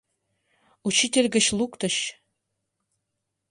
Учитель гыч луктыч.